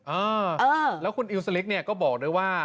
เออแล้วคุณอิวสลิกเนี่ยก็บอกด้วยว่า